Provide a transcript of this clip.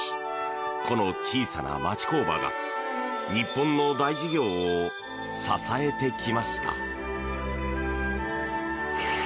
この小さな町工場が日本の大事業を支えてきました。